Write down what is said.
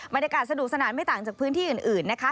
บรรยากาศสนุกสนานไม่ต่างจากพื้นที่อื่นนะคะ